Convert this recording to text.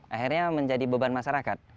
akhirnya menjadi beban masyarakat